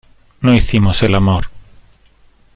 no hicimos el amor.